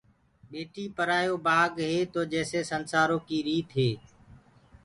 ٻيٽيٚ پرآيو بآگ هي تو جيسي اسنسآرو ڪي ريت هي،